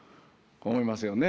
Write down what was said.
思いますよね。